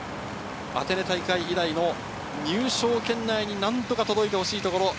アテネ大会以来の入賞圏内になんとか届いてほしいところ。